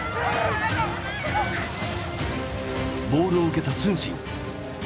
ボールを受けた承信。